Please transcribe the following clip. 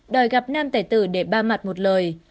đòi gặp nam tài tử để ba mặt một lời